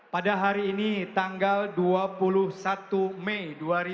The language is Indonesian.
pada hari ini tanggal dua puluh satu mei dua ribu dua puluh